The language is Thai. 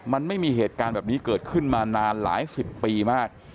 มันไม่มีเหตุการณ์แบบนี้เกิดขึ้นมานานหลายสิบปีมาก